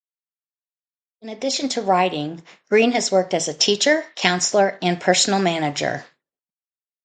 In addition to writing Greene has worked as a teacher, counselor, and personal manager.